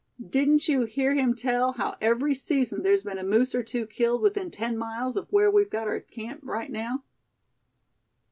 "Didn't you hear him tell how every season there's been a moose or two killed within ten miles of where we've got our camp right now.